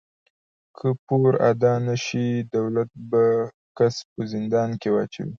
که پور ادا نهشو، دولت به کس په زندان کې اچاوه.